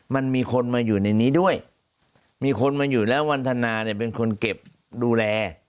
มันมีคนมาอยู่ในนี้ด้วยมีคนมาอยู่แล้ววันทนาเนี่ยเป็นคนเก็บดูแล